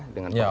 dengan pak ardo